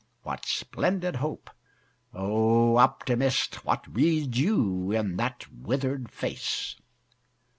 What splendid hope? O Optimist! What read you in that withered face?